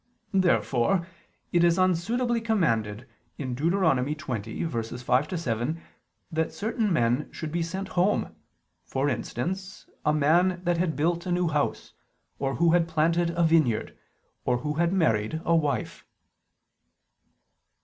Therefore it is unsuitably commanded (Deut. 20:5 7) that certain men should be sent home, for instance a man that had built a new house, or who had planted a vineyard, or who had married a wife.